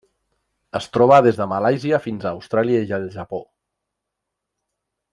Es troba des de Malàisia fins a Austràlia i el Japó.